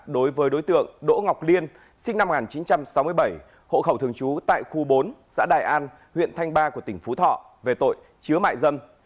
đối với đối tượng đỗ ngọc liên sinh năm một nghìn chín trăm sáu mươi bảy hộ khẩu thường trú tại khu bốn xã đại an huyện thanh ba của tỉnh phú thọ về tội chứa mại dâm